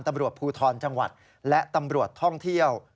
ตำรวจภูทรจังหวัดและตำรวจท่องเที่ยว